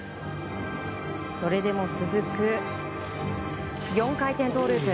それでも続く４回転トウループ。